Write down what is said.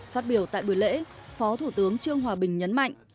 phát biểu tại buổi lễ phó thủ tướng trương hòa bình nhấn mạnh